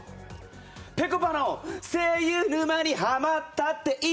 ぺこぱの声優沼にハマったって良い！！